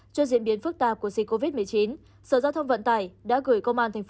cho diễn biến phức tạp của sars cov một mươi chín sở giao thông vận tải đã gửi công an tp